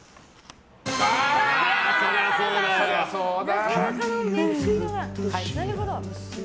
そりゃそうだ。